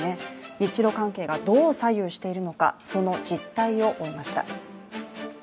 日ロ関係がどう左右しているのか、その実態を追いました。